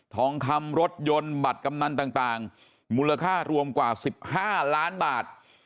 ทองคำรถยนต์บัตรกำนันต่างมูลค่ารวมกว่า๑๕ล้านบาท